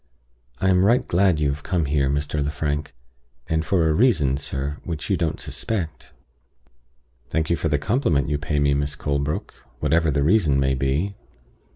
I am right glad you have come here, Mr. Lefrank; and for a reason, sir, which you don't suspect." "Thank you for the compliment you pay me, Miss Colebrook, whatever the reason may be."